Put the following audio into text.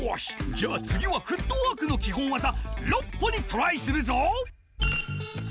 じゃあつぎはフットワークのきほんわざ「６歩」にトライするぞ！